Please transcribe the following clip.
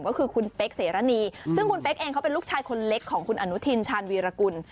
ก็คือคุณเป๊กเสรณีซึ่งคุณเป๊กเองเขาเป็นลูกชายคนเล็กของคุณอนุทินชาญวีรกุล